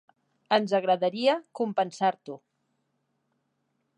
Ens agradaria compensar-t'ho.